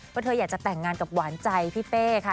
เพราะเธออยากจะแต่งงานกับหวานใจพี่เป้ค่ะ